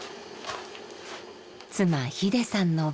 妻ヒデさんの番。